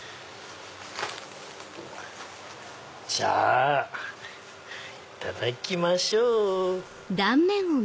じゃあいただきましょう！